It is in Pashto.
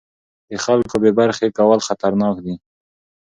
د خلکو بې برخې کول خطرناک دي